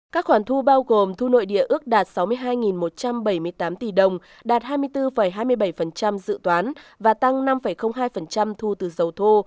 các khoản thu bao gồm thu nội địa ước đạt sáu mươi hai một trăm bảy mươi tám tỷ đồng đạt hai mươi bốn hai mươi bảy dự toán và tăng năm hai thu từ dầu thô